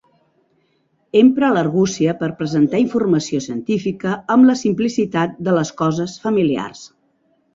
Empre l'argúcia per presentar informació científica amb la simplicitat de les coses familiars.